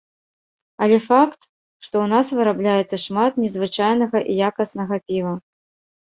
Але факт, што ў нас вырабляецца шмат незвычайнага і якаснага піва.